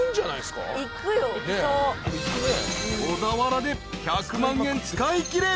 ［小田原で１００万円使いきれ］